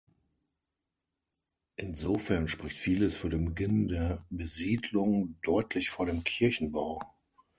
Insofern spricht vieles für den Beginn der Besiedlung deutlich vor dem Kirchenbau.